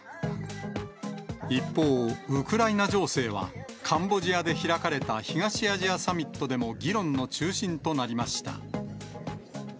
一方、ウクライナ情勢は、カンボジアで開かれた東アジアサミットでも議論の中心となりました。